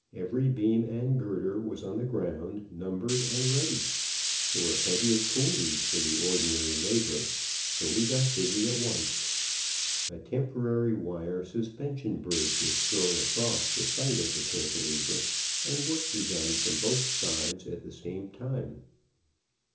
Every beam and girder was on the ground, numbered and ready. There were plenty of coolies for the ordinary labor. So we got busy at once. A temporary wire suspension bridge was thrown across above the site of the cantilever, and work begun from both sides at the same time.